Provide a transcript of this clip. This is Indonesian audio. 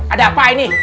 ada apa ini